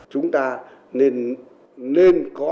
chúng ta nên có